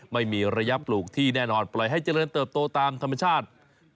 ไม่มีระยะปลูกที่แน่นอนปล่อยให้เจริญเติบโตตามธรรมชาติ